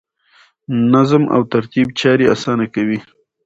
نظم او ترتیب چارې اسانه کوي.